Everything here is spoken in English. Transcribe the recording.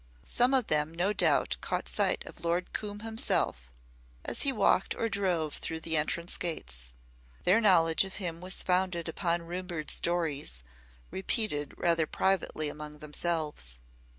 Some of them no doubt caught sight of Lord Coombe himself as he walked or drove through the entrance gates. Their knowledge of him was founded upon rumoured stories, repeated rather privately among themselves.